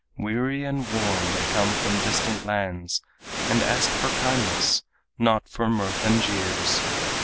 "Weary and worn they come from distant lands, And ask for kindness not for mirth and jeers."